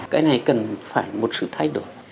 cái này cần phải một sự thay đổi